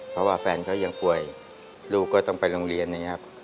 เพราะว่าแฟนเขายังป่วยลูกก็ต้องไปโรงเรียนอย่างนี้ครับ